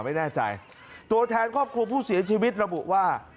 ไม่แน่ใจตัวแทนครอบครัวผู้เสียชีวิตระบุว่า